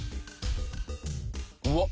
うわっ。